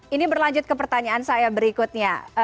ini berlanjut ke pertanyaan saya berikutnya